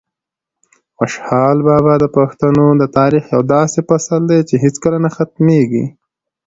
خوشحال بابا د پښتنو د تاریخ یو داسې فصل دی چې هیڅکله نه ختمېږي.